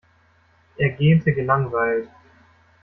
Er gähnte gelangweilt.